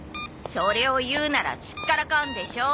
それを言うならすっからかんでしょ？